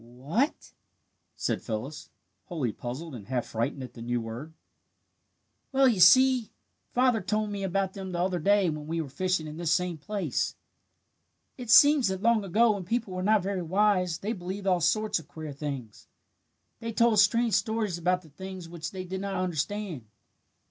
"Wh a a t ?" said Phyllis, wholly puzzled and half frightened at the new word. "Well, you see father told me about them the other day when we were fishing in this same place. "It seems that long ago when people were not very wise, they believed all sorts of queer things. They told strange stories about the things which they did not understand.